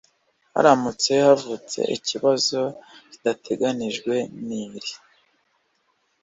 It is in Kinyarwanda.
Haramutse havutse ikibazo kidateganyijwe n iri